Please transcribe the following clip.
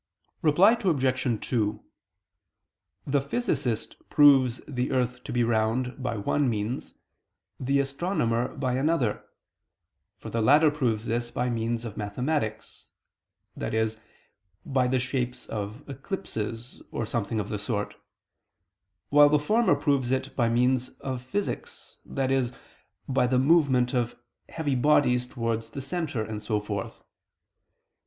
Reply Obj. 2: The physicist proves the earth to be round by one means, the astronomer by another: for the latter proves this by means of mathematics, e.g. by the shapes of eclipses, or something of the sort; while the former proves it by means of physics, e.g. by the movement of heavy bodies towards the center, and so forth.